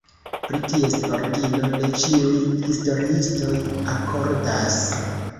Pri ties origino ne ĉiuj historiistoj akordas.